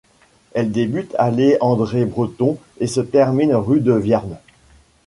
Elle débute allée André-Breton et se termine rue de Viarmes.